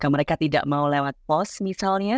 mereka tidak mau lewat pos misalnya